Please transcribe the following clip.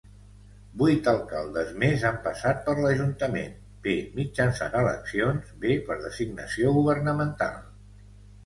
Vuit alcaldes més han passat per l'ajuntament, bé mitjançant eleccions, bé per designació governamental.